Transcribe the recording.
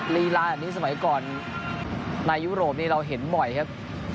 ลีลาแบบนี้สมัยก่อนในยุโรปนี้เราเห็นบ่อยครับ